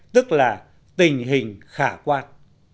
tức là tình hình khả quạt